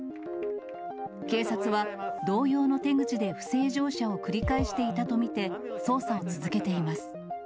警察は、同様の手口で不正乗車を繰り返していたと見て、捜査を続けています。